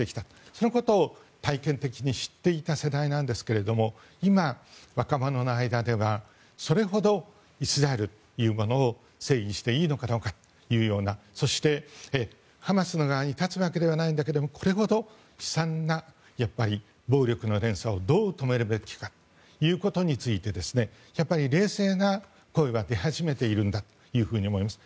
そのことを体験的に知っていた世代なんですけれども今、若者の間ではそれほどイスラエルというものを正義にしていいのかそして、ハマスの側に立つわけではないんだけどこれほど悲惨な暴力の連鎖をどう止めるべきかということについて冷静な声が出始めているんだと思います。